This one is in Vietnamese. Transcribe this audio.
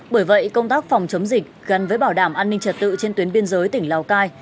bởi vậy công tác phòng chống dịch gắn với bảo đảm an ninh trật tự trên tuyến biên giới tỉnh lào cai